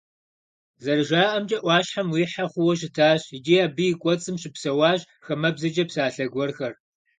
ЗэрыжаӀэмкӀэ, Ӏуащхьэм уихьэ хъууэ щытащ, икӀи абы и кӀуэцӀым щыпсэуащ «хамэбзэкӀэ псалъэ гуэрхэр».